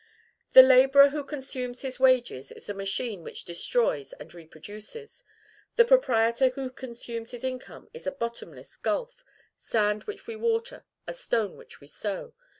The laborer who consumes his wages is a machine which destroys and reproduces; the proprietor who consumes his income is a bottomless gulf, sand which we water, a stone which we sow.